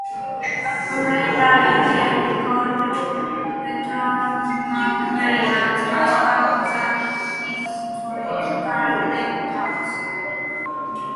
Hull later recalled Benton McMillin as one of his political mentors.